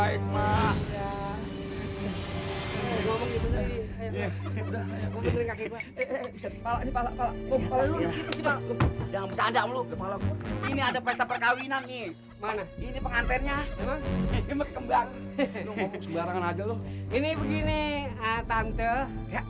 ini ada pesta perkawinan nih ini pengantinnya